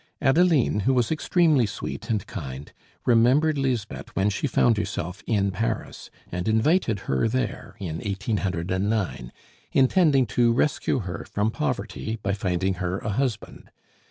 Adeline, who was extremely sweet and kind, remembered Lisbeth when she found herself in Paris, and invited her there in 1809, intending to rescue her from poverty by finding her a husband.